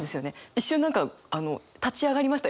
一瞬何か立ち上がりました